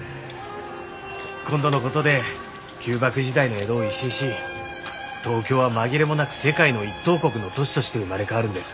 今度のことで旧幕時代の江戸を一新し東京は紛れもなく世界の一等国の都市として生まれ変わるんです。